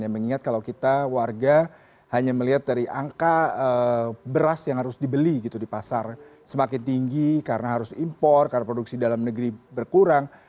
mengingat kalau kita warga hanya melihat dari angka beras yang harus dibeli gitu di pasar semakin tinggi karena harus impor karena produksi dalam negeri berkurang